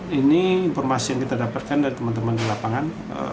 ini informasi yang kita dapatkan dari teman teman di lapangan